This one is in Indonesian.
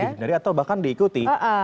dihindari atau bahkan diikuti